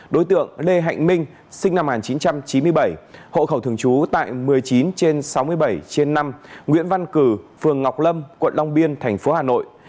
đối tượng lê hạnh minh sinh năm một nghìn chín trăm chín mươi bảy hộ khẩu thường trú tại một mươi chín trên sáu mươi bảy trên năm nguyễn văn cử phường ngọc lâm quận long biên thành phố hà nội